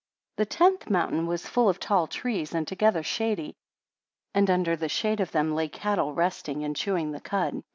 10 The tenth mountain was full of tall trees, and altogether shady; and under the shade of them lay cattle resting and chewing the cud.